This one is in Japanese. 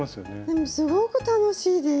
でもすごく楽しいです。